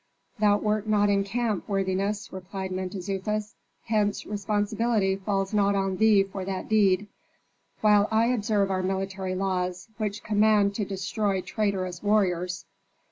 "Thou wert not in camp, worthiness," replied Mentezufis, "hence responsibility falls not on thee for that deed: while I observe our military laws, which command to destroy traitorous warriors.